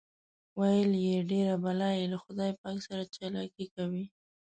ویل یې ډېر بلا یې له خدای پاک سره چالاکي کوي.